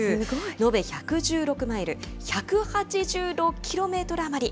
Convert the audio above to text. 延べ１１６マイル、１８６キロメートル余り。